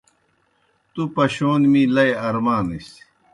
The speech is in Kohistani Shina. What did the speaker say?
تُوْ پشون می لئی ارمانِس۔